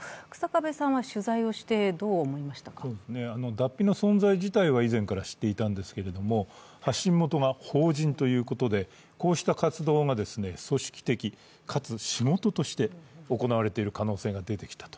Ｄａｐｐｉの存在自体は以前から知っていたんですけれども、発信元が法人ということで、こうした活動が組織的、かつ仕事として行われている可能性が出てきたと。